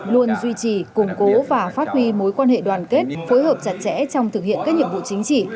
luôn duy trì củng cố và phát huy mối quan hệ đoàn kết phối hợp chặt chẽ trong thực hiện các nhiệm vụ chính trị